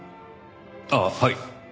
ああはい。